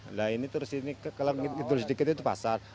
nah ini terus ini kalau ditulis dikit itu pasar